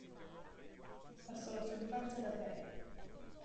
Passò la sua infanzia ad Atene.